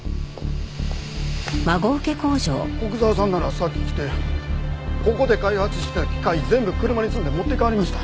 古久沢さんならさっき来てここで開発してた機械全部車に積んで持って行かはりました。